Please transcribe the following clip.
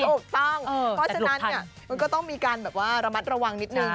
ถูกต้องเพราะฉะนั้นเนี่ยมันก็ต้องมีการแบบว่าระมัดระวังนิดนึง